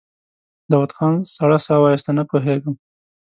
داوود خان سړه سا وايسته: نه پوهېږم.